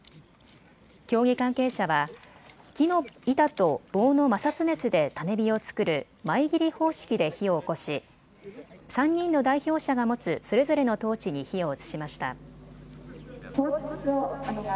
競技関係者は木の板と棒の摩擦熱で種火を作るマイギリ方式で火をおこし３人の代表者が持つそれぞれのトーチに火を移しました。